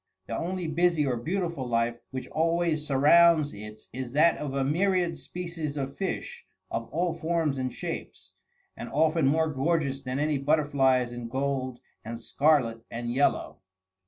The only busy or beautiful life which always surrounds it is that of a myriad species of fish, of all forms and shapes, and often more gorgeous than any butterflies in gold and scarlet and yellow.